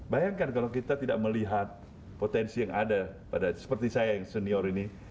bayangkan kalau kita tidak melihat potensi yang ada pada seperti saya yang senior ini